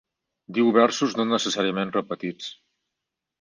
Diu versos no necessàriament repetits.